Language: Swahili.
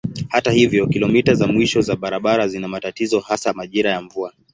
Hata hivyo kilomita za mwisho za barabara zina matatizo hasa majira ya mvua.